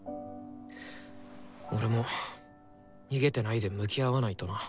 俺も逃げてないで向き合わないとな。